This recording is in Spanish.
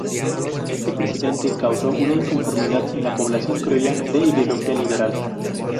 Este precedente causó una inconformidad en la población criolla de ideología liberal.